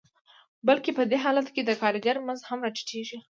بلکې په دې حالت کې د کارګر مزد هم راټیټېږي